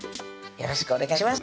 よろしくお願いします